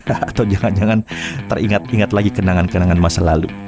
atau jangan jangan teringat ingat lagi kenangan kenangan masa lalu